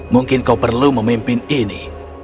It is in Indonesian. mungkin kau perlu memimpin ini